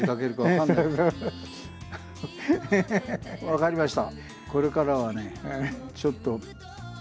分かりました。